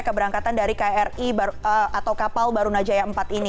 keberangkatan dari kri atau kapal barunajaya empat ini